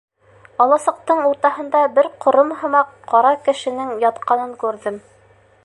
Аласыҡтың уртаһында бер ҡором һымаҡ ҡара кешенең ятҡанын күрҙем.